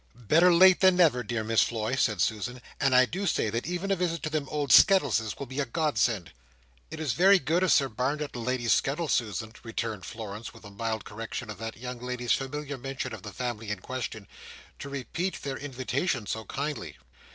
"Better late than never, dear Miss Floy," said Susan, "and I do say, that even a visit to them old Skettleses will be a Godsend." "It is very good of Sir Barnet and Lady Skettles, Susan," returned Florence, with a mild correction of that young lady's familiar mention of the family in question, "to repeat their invitation so kindly."